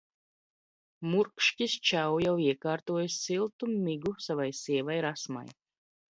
Murkšķis Čau jau iekārtojis siltu migu savai sievai Rasmai.